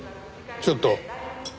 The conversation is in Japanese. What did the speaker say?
ちょっと。